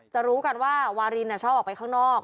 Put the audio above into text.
รู้กันว่าวารินชอบออกไปข้างนอก